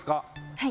はい。